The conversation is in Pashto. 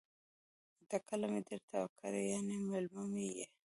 ټکله می درته کړې ،یعنی میلمه می يی